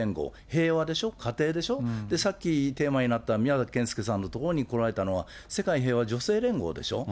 平和でしょ、家庭でしょ、さっきテーマになった宮崎謙介さんの所に来られたのは世界平和女性連合でしょう。